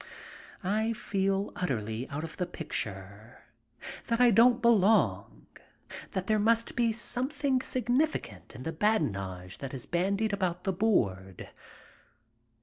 I feel utterly out of the picture, that I don't belong, that there must be something significant in the badinage that is bandied about the board.